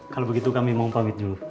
kalau begitu kami mau pamit dulu